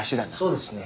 そうですね。